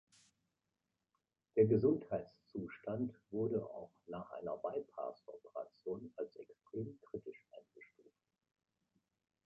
Der Gesundheitszustand wurde auch nach einer Bypass-Operation als extrem kritisch eingestuft.